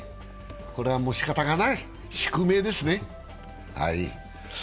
これはもうしかたがない、宿命ですね。